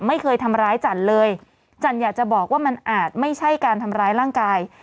ไม่เคยทำร้ายจันเลยจันอยากจะบอกว่ามันอาจไม่ใช่การทำร้ายร่างกาย